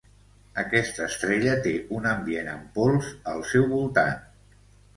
Aquesta estrella té un ambient amb pols al seu voltant.